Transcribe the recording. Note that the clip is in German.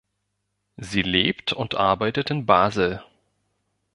Sie lebt und arbeitet in Basel.